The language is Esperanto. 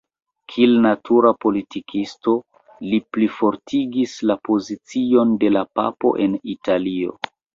Kiel natura politikisto, li plifortigis la pozicion de la papo en Italio.